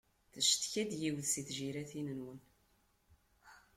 Teccetka-d yiwet si tǧiratin-nwen.